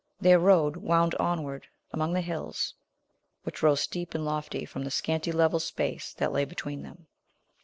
Their road wound onward among the hills, which rose steep and lofty from the scanty level space that lay between them.